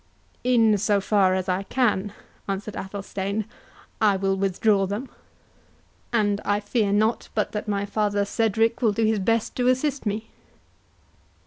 "In so far as I can," answered Athelstane, "I will withdraw them; and I fear not but that my father Cedric will do his best to assist me."